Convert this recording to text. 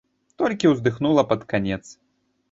Толькі ўздыхнула пад канец.